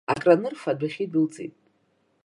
Акранырфа адәахьы идәылҵит.